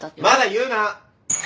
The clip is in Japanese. まだ言うな！